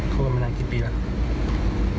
คุกกันมานานกี่ปีแล้ว